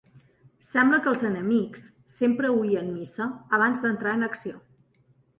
Sembla que els enemics sempre oïen missa abans d'entrar en acció